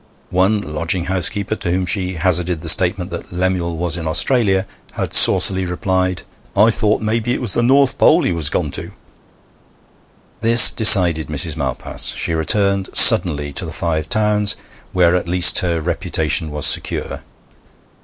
One lodging housekeeper to whom she hazarded the statement that Lemuel was in Australia had saucily replied: 'I thought maybe it was the North Pole he was gone to!' This decided Mrs. Malpas. She returned suddenly to the Five Towns, where at least her reputation was secure.